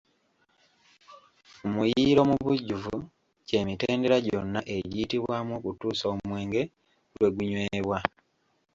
Muyiiro mu bujjuvu gy’emitendera gyonna egiyitibwamu okutuusa omwenge lwe gunywebwa.